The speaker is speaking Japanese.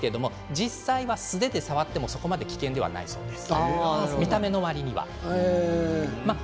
実際は素手で触ってもそこまで危険ではないです。